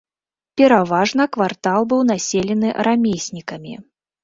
Пераважна квартал быў населены рамеснікамі.